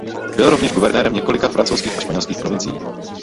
Byl rovněž guvernérem několika francouzských a španělských provincií.